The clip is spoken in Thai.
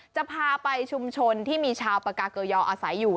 จะพาไปชุมชนที่มีชาวปากาเกยออาศัยอยู่